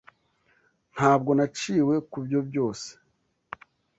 Ntabwo naciwe kubyo byose.